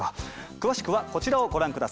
詳しくはこちらをご覧下さい。